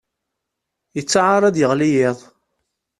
Yettaɛar ad d-yeɣli yiḍ.